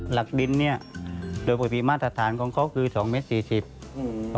หลักดินเนี่ยโดยปริมาตรฐานของเขาคือ๒เมตร๔๐